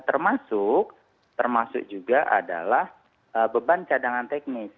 termasuk termasuk juga adalah beban cadangan teknis